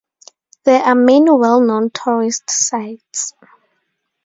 There are many well-known tourist sights.